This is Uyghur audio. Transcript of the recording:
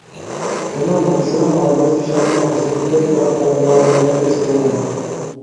ئۇنىڭ مېڭىسىنىڭ ئادەتتىكى كىشىلەرنىڭ مېڭىسىدىن كۆپ پەرقلىنىدىغانلىقىنى ھېس قىلغان.